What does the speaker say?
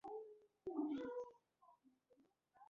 هغه یو لوی پوځ مخکي لېږلی دی.